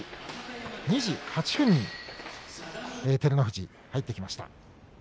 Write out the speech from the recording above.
２時８分に照ノ富士入ってきました。